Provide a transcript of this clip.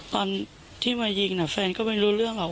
ตอนที่มายิงแฟนก็ไม่รู้เรื่องหรอก